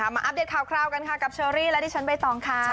มาอัพเดตคราวกันนะครับกับเชอรี่และดิฉันไปตองข้า